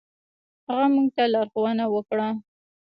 هغه موږ ته لارښوونه وکړه.